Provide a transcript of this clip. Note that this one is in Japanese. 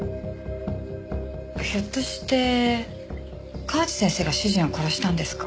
ひょっとして河内先生が主人を殺したんですか？